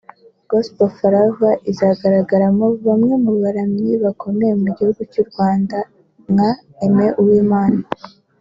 Gospel Flava izagaragaramo bamwe mu baramyi bakomeye mu gihugu cy’ u Rwanda nka Aime Uwimana